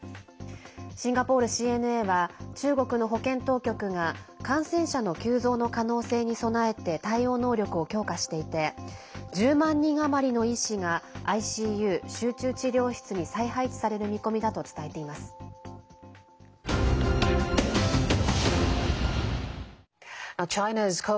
シンガポールＣＮＡは中国の保健当局が感染者の急増の可能性に備えて対応能力を強化していて１０万人余りの医師がＩＣＵ＝集中治療室に再配置される見込みだと伝えています。